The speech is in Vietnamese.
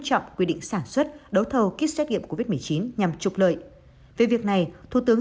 trọng quy định sản xuất đấu thầu kit xét nghiệm covid một mươi chín nhằm trục lợi về việc này thủ tướng